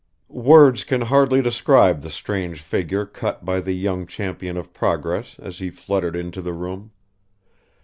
Words can hardly describe the strange figure cut by the young champion of progress as he fluttered into the room.